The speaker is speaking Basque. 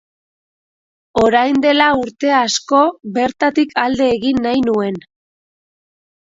Orain dela urte asko bertatik alde egin nahi nuen.